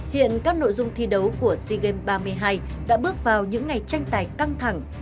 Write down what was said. hiện các nội dung thi đấu của sea games ba mươi hai đã bước vào những ngày tranh tài căng thẳng